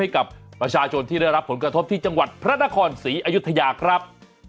ให้กับประชาชนที่ได้รับผลกระทบที่จังหวัดพระนครศรีอยุธยาครับ